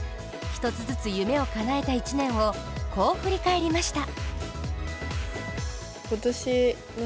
１つずつ夢をかなえた１年を、こう振り返りました。